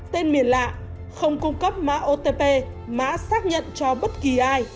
tên miền lạ không cung cấp mã otp mã xác nhận cho bất kỳ ai